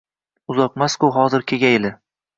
Uzoqmas-ku, hozir Kegayli!..